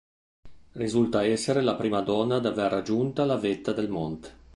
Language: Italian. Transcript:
Risulta essere la prima donna ad aver raggiunta la vetta del monte.